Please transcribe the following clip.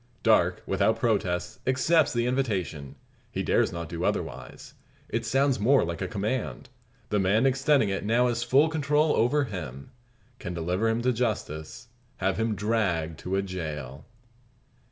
Darke, without protest, accepts the invitation. He dares not do otherwise. It sounds more like a command. The man extending it has now full control over him; can deliver him to justice have him dragged to a jail.